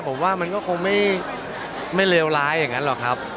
ผมว่ามันก็คงไม่เลวร้ายอย่างนั้นหรอกครับ